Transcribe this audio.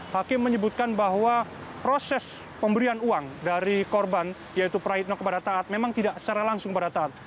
hakim menyebutkan bahwa proses pemberian uang dari korban yaitu prahitno kepada taat memang tidak secara langsung pada taat